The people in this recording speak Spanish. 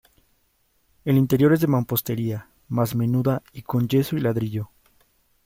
El interior es de mampostería más menuda y con yeso y ladrillo.